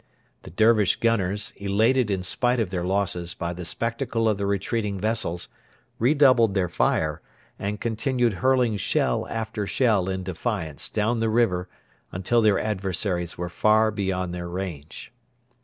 The Dervish gunners, elated in spite of their losses by the spectacle of the retreating vessels, redoubled their fire, and continued hurling shell after shell in defiance down the river until their adversaries were far beyond their range.